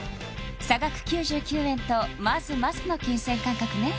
差額９９円とまずまずの金銭感覚ね